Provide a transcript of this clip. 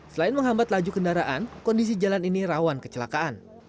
selain menghambat laju kendaraan kondisi jalan ini rawan kecelakaan